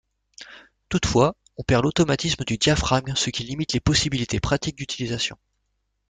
Toutefois on perd l'automatisme du diaphragme ce qui limite les possibilités pratiques d'utilisation.